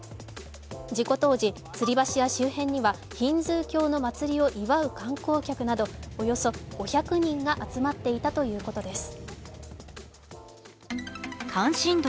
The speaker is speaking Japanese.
事故当時、つり橋や周辺には、ヒンズー教の祭りを祝う観光客などおよそ５００人が集まっていたということです。